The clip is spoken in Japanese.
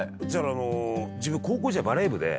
自分高校時代バレー部で。